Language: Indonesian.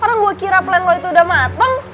orang gue kira plan lo itu udah mateng